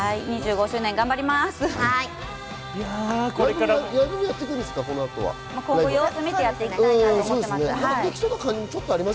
２５周年、頑張ります！